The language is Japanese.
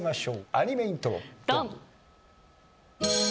アニメイントロドン！